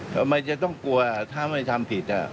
ทำไมจะต้องกลัวถ้าไม่ทำผิด